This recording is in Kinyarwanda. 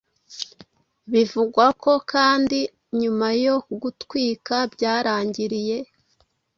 Bivugwa ko kandi nyuma yo gutwika byarangiriye